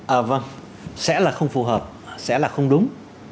ờ vâng sẽ là không phù hợp sẽ là không đúng